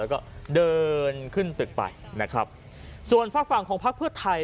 แล้วก็เดินขึ้นตึกไปนะครับส่วนฝากฝั่งของพักเพื่อไทย